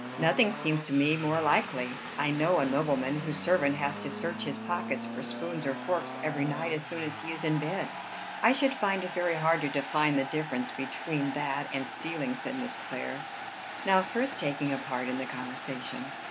"Nothing seems to me more likely. I know a nobleman whose servant has to search his pockets for spoons or forks every night as soon as he is in bed." "I should find it very hard to define the difference between that and stealing," said Miss Clare, now first taking a part in the conversation.